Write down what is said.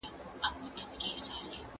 ¬ بزه په خپل ښکر نه درنېږي.